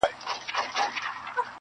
هم خوارځواکی هم ناروغه هم نېستمن وو٫